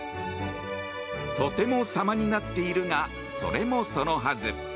とても様になっているがそれもそのはず。